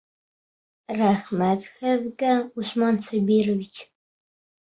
Рәхмәт һеҙгә, Усман Сабирович!